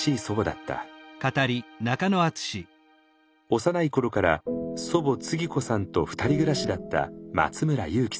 幼い頃から祖母つぎ子さんと二人暮らしだった松村雄基さん。